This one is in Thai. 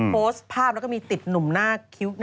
โพสเผาแล้วก็มีติดนุมหน้าตีคิ้วเข้ม